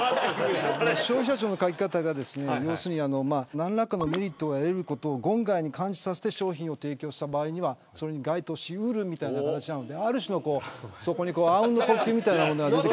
消費者庁の書き方が何らかのメリットを得ることを言外に感じさせて商品を提供した場合にはそれに該当しうるみたいな話なのであうんの呼吸みたいな問題が出てくる。